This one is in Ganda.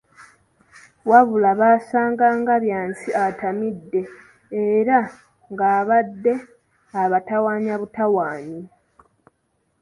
Wabula baasanga nga Byansi atamidde, era ng'abadde abatawaanya butawaanyi.